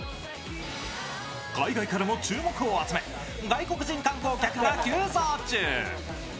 海外からも注目を集め、外国人観光客が急増中。